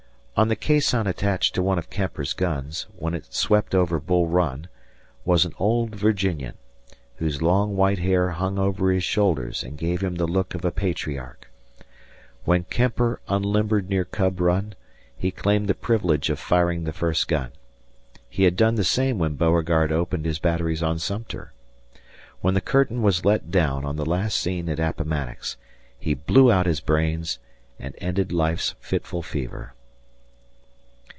On the caisson attached to one of Kemper's guns, when it swept over Bull Run, was an old Virginian, whose long white hair hung over his shoulders and gave him the look of a patriarch. When Kemper unlimbered near Cub Run, he claimed the privilege of firing the first gun. He had done the same when Beauregard opened his batteries on Sumter. When the curtain was let down on the last scene at Appomattox, he blew out his brains and ended life's fitful fever.